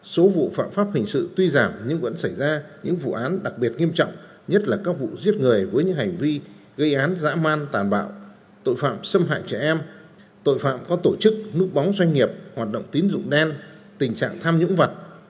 số vụ phạm pháp hình sự tuy giảm nhưng vẫn xảy ra những vụ án đặc biệt nghiêm trọng nhất là các vụ giết người với những hành vi gây án dã man tàn bạo tội phạm xâm hại trẻ em tội phạm có tổ chức núp bóng doanh nghiệp hoạt động tín dụng đen tình trạng tham nhũng vật